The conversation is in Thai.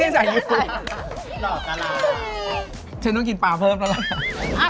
สายอยู่คือปลา